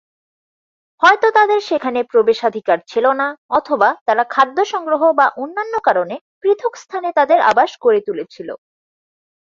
হয়ত তাদের সেখানে প্রবেশাধিকার ছিল না অথবা তারা খাদ্য সংগ্রহ বা অন্যান্য কারণে পৃথক স্থানে তাদের আবাস গড়ে তুলেছিল।